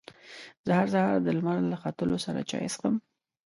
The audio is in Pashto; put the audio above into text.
زه هر سهار د لمر له ختو سره چای څښم.